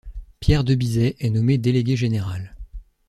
Pierre Debizet est nommé délégué général.